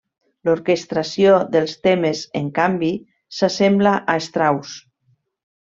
L'orquestració dels temes, en canvi, s'assembla a Strauss.